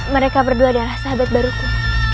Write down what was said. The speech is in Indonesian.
mereka berdua adalah sahabat baruku